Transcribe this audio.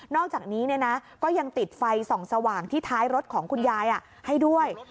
อกจากนี้ก็ยังติดไฟส่องสว่างที่ท้ายรถของคุณยายให้ด้วย